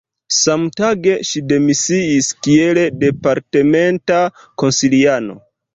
Samtage, ŝi demisiis kiel departementa konsiliano.